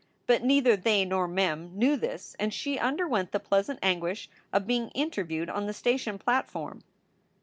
But neither they nor Mem knew this and she under went the pleasant anguish of being interviewed on the station platform.